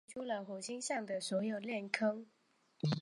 本列表列出了火星上的所有链坑。